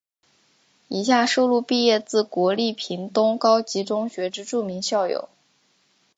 以下收录毕业自国立屏东高级中学之著名校友。